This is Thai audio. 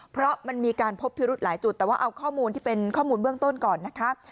เพราะมันมีการพบพิรุธหลายจุดแต่ว่าเอาข้อมูลที่เป็นข้อมูลเบื้องต้นก่อนนะคะ